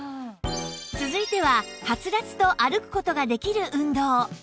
続いてはハツラツと歩く事ができる運動